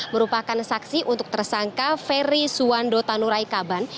merupakan saksi untuk tersangka ferry suwando tanurai kaban